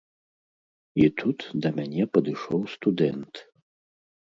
І тут да мяне падышоў студэнт.